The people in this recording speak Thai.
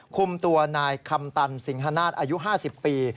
คุมตัวนายคำตันสิงฮนาศอายุ๕๐ปี